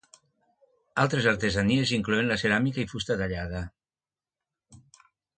Altres artesanies inclouen la ceràmica i fusta tallada.